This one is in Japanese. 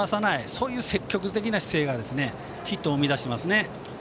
そういう積極的な姿勢がヒットを生み出しています。